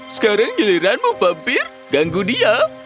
sekarang giliranmu mampir ganggu dia